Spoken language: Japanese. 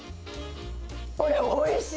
これ、おいしい！